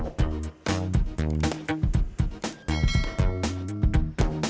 gak bener bener kayak orang lain ya